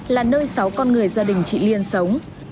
là nơi sáu con người gia đình chị liên sống